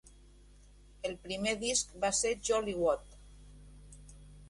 El primer disc va ser Jolly What!